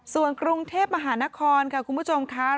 ส่วนกรุงเทพมหานครค่ะคุณผู้ชมค่ะ